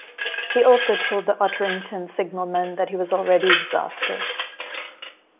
He also told the Otterington signalman that he was already exhausted.